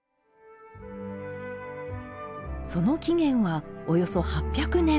その起源はおよそ８００年